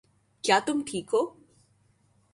کیا تم ٹھیک ہو